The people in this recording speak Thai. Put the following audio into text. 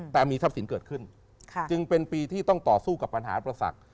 แต่มีทรัพย์สินเกิดขึ้นจึงเป็นปีที่ต้องต่อสู้กับปัญหาอุปสรรค